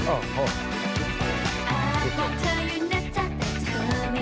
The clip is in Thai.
โอ้โห